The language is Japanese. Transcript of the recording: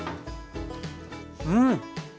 うん！